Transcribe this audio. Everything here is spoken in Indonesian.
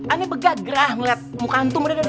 aneh begah gerah ngeliat muka antum udah dikepedean